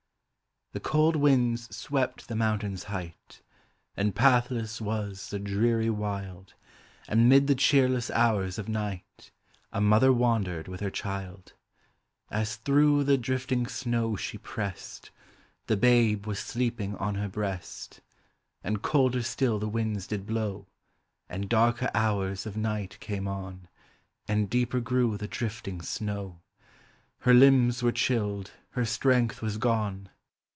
The cold winds swept the mountain's height. Aud pathless was the dreary wild, And mid the cheerless hours of night A mother wandered with her child: As through the drifting snow she pressed. The babe was sleeping on her breast. Digitized by Google ABOUT CHILD REX. 25 And colder still the winds did blow, And darker hours of night came on, And deeper grew the drifting snow : Her limbs were chilled, her strength was gone.